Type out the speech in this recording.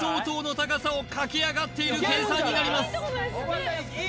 高さを駆け上がっている計算になります